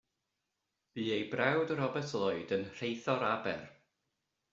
Bu ei brawd Robert Lloyd yn rheithor Aber.